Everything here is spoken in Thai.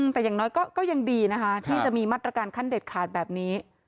แต่อย่างน้อยก็ยังดีนะคะที่จะมีมาตรการขั้นเด็ดขาดแบบนี้